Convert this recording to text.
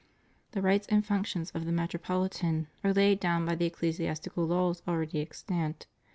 The rights and the functions of the Metropolitan are laid down by the ecclesiastical laws already extant.